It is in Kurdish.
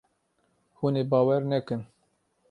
Hûn ê bawer nekin.